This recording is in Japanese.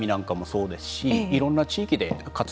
そうですか。